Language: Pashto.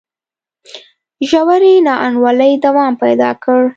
ژورې نا انډولۍ دوام پیدا کړ.